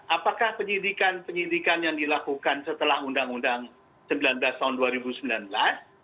apakah penyidikan penyidikan yang dilakukan setelah undang undang sembilan belas tahun dua ribu sembilan belas